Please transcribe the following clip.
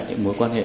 những mối quan hệ